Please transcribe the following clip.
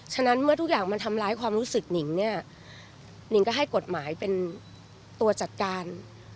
ฉะนั้นเมื่อทุกอย่างมันทำร้ายความรู้สึกหนิงเนี่ยนิงก็ให้กฎหมายเป็นตัวจัดการ